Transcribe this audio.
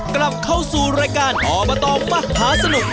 กลับเข้าสู่รายการอบตมหาสนุก